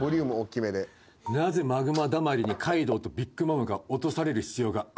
なぜマグマだまりにカイドウとビッグ・マムが落とされる必要があったのか。